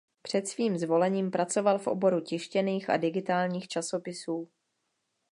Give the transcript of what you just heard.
Před svým zvolením pracoval v oboru tištěných a digitálních časopisů.